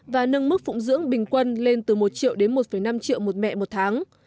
và nâng mức phụng dưỡng bình quân lên từ một triệu đến một năm triệu một mẹ một tháng